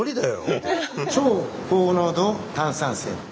「超高濃度炭酸泉」。